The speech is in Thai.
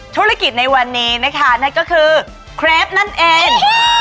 ธุรกิจในวันนี้นะคะนั่นก็คือเครปนั่นเอง